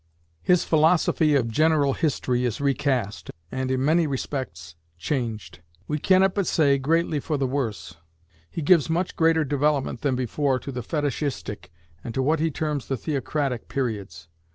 His philosophy of general history is recast, and in many respects changed; we cannot but say, greatly for the worse. He gives much greater development than before to the Fetishistic, and to what he terms the Theocratic, periods.